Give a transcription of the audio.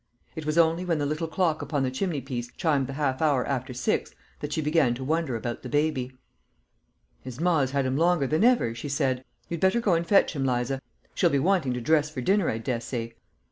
It was only when the little clock upon the chimney piece chimed the half hour after six, that she began to wonder about the baby. "His mar's had him longer than ever," she said; "you'd better go and fetch him, Liza. She'll be wanting to dress for dinner, I dessay.